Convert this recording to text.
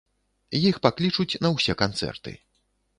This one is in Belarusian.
Іх паклічуць на ўсе канцэрты.